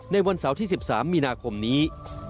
ในวันเสาร์ที่๑๓มีนาคมนี้